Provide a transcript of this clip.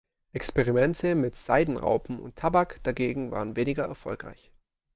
Experimente mit Seidenraupen und Tabak dagegen waren weniger erfolgreich.